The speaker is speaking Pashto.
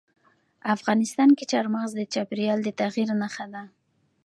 افغانستان کې چار مغز د چاپېریال د تغیر نښه ده.